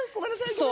・そう。